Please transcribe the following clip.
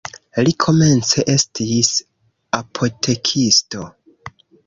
Li komence estis apotekisto.